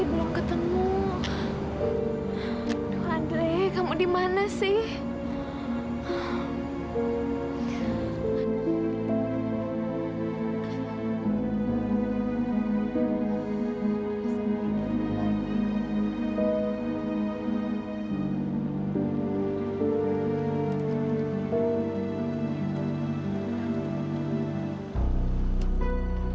besok mish slivers dang behlin dan saya udah tidur mogelijk ngejar sita